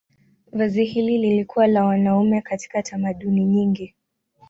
Vazi hili lilikuwa la wanaume katika tamaduni nyingi.